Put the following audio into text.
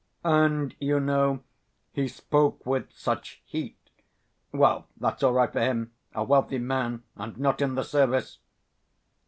And, you know, he spoke with such heat; well, that's all right for him a wealthy man, and not in the service.